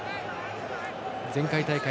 前回大会